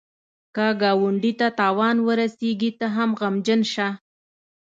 که ګاونډي ته تاوان ورسېږي، ته هم غمژن شه